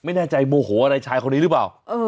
ไม่แน่ใจโมโหอะไรชายคนนี้หรือเปล่า